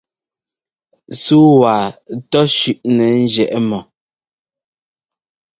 Súu waa tɔ́ shʉ́ʼnɛ njiɛʼ mɔ.